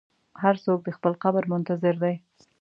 هر څوک د خپل قبر منتظر دی.